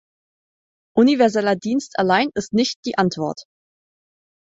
Universeller Dienst allein ist nicht die Antwort.